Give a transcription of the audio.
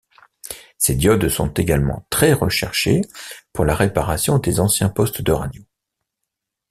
Ces diodes sont également très recherchées pour la réparation des anciens postes de radio.